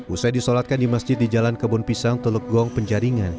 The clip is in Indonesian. usai disolatkan di masjid di jalan kebun pisang teluk gong penjaringan